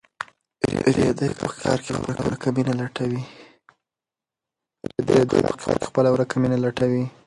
رېدی په ښار کې خپله ورکه مینه لټوي.